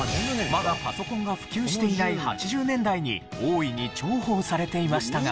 まだパソコンが普及していない８０年代に大いに重宝されていましたが。